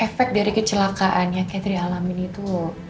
efek dari kecelakaannya catherine alamin itu